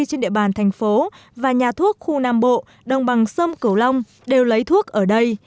trên địa bàn thành phố và nhà thuốc khu nam bộ đồng bằng sông cửu long đều lấy thuốc ở đây